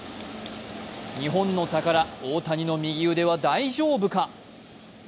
日本の宝・大谷の右腕は大丈夫か？